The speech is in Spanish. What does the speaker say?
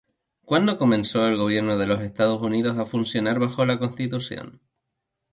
¿Cuándo comenzó el gobierno de los Estados Unidos a funcionar bajo la Constitución?